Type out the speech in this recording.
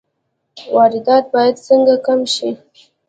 واردات باید څنګه کم شي؟